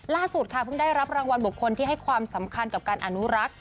ล่าสุดค่ะเพิ่งได้รับรางวัลบุคคลที่ให้ความสำคัญกับการอนุรักษ์